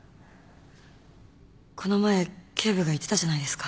この前警部が言ってたじゃないですか。